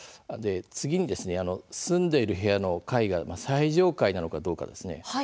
次に、住んでいる部屋の階が最上階なのかどうかです。